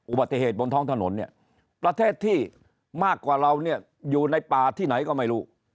อุบัติเหตุบนท้องถนนเนี่ยประเทศที่มากกว่าเราเนี่ยอยู่ในป่าที่ไหนก็ไม่รู้